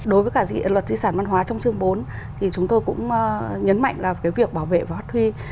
đối với cả luật di sản văn hóa trong chương bốn thì chúng tôi cũng nhấn mạnh là cái việc bảo vệ và phát huy